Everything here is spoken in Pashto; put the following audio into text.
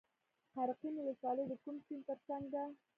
قرقین ولسوالۍ د کوم سیند تر څنګ ده؟